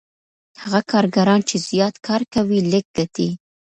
هغه کارګران چي زیات کار کوي لږ ګټي.